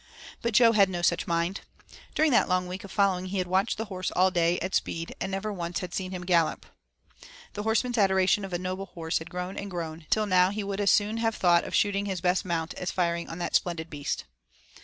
But Jo had no such mind. During that long week of following he had watched the horse all day at speed and never once had he seen him gallop. The horseman's adoration of a noble horse had grown and grown, till now he would as soon have thought of shooting his best mount as firing on that splendid beast.